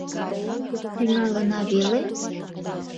— Тӱҥалына веле?